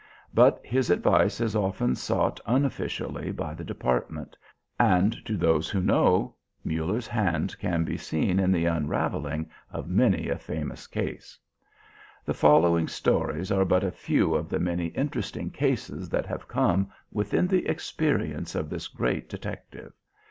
But his advice is often sought unofficially by the Department, and to those who know, Muller's hand can be seen in the unravelling of many a famous case. The following stories are but a few of the many interesting cases that have come within the experience of this great detective.